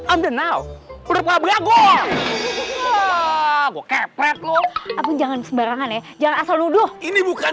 andenau berpapanya gua gue kepet lo aku jangan sembarangan ya jangan asal nuduh ini bukan